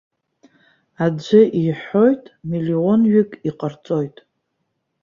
Аӡәы иҳәоит, миллионҩык иҟарҵоит.